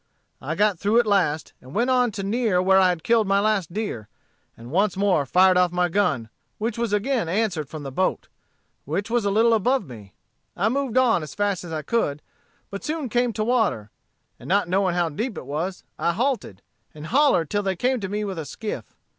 I got through at last, and went on to near where I had killed my last deer, and once more fired off my gun, which was again answered from the boat, which was a little above me. I moved on as fast as I could, but soon came to water; and not knowing how deep it was, I halted, and hollered till they came to me with a skiff.